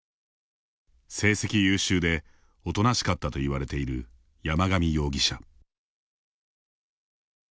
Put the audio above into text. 成績優秀でおとなしかったと言われている山上容疑者。